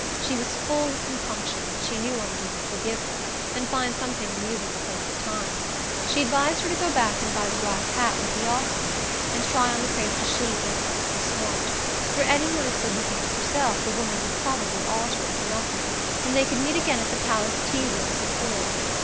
She was full of compunction, but she knew Undine would forgive her, and find something amusing to fill up the time: she advised her to go back and buy the black hat with the osprey, and try on the crepe de Chine they'd thought so smart: for any one as good looking as herself the woman would probably alter it for nothing; and they could meet again at the Palace Tea Rooms at four.